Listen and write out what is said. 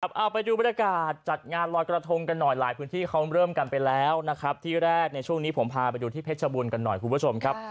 เอาไปดูบรรยากาศจัดงานลอยกระทงกันหน่อยหลายพื้นที่เขาเริ่มกันไปแล้วนะครับที่แรกในช่วงนี้ผมพาไปดูที่เพชรบูรณ์กันหน่อยคุณผู้ชมครับ